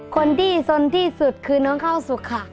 คนที่สนที่สุดคือน้องข้าวสุกค่ะ